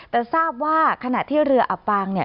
แต่ทราบว่าขณะที่เรืออับปางเนี่ย